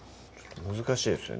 難しいですね